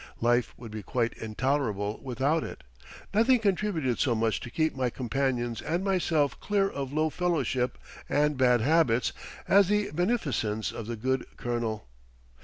Life would be quite intolerable without it. Nothing contributed so much to keep my companions and myself clear of low fellowship and bad habits as the beneficence of the good Colonel.